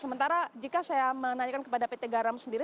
sementara jika saya menanyakan kepada pt garam sendiri